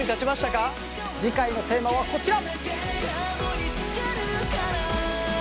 次回のテーマはこちら！